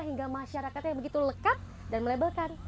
hingga masyarakatnya yang begitu lekat dan melebelkan